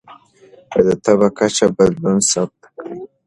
د تبه کچه بدلون ثبت کړئ.